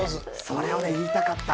それは言いたかった。